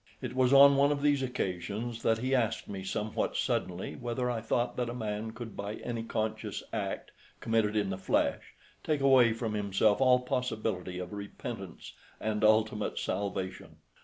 It was on one of these occasions that he asked me, somewhat suddenly, whether I thought that a man could by any conscious act committed in the flesh take away from himself all possibility of repentance and ultimate salvation.